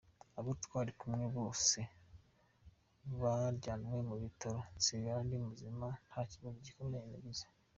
Abo twari kumwe bose bajyanwe mu bitaro nsigara ndi muzima nta kibazo gikomeye nagize”.